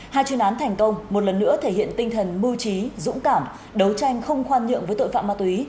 hai chuyên án thành công một lần nữa thể hiện tinh thần mưu trí dũng cảm đấu tranh không khoan nhượng với tội phạm ma túy